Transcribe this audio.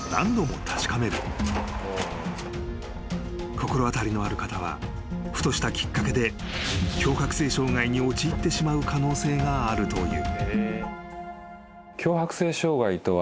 ［心当たりのある方はふとしたきっかけで強迫性障がいに陥ってしまう可能性があるという］